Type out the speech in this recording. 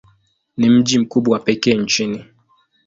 Ni mji mkubwa wa pekee nchini.